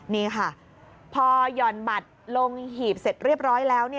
นี่ค่ะพอหย่อนบัตรลงหีบเสร็จเรียบร้อยแล้ว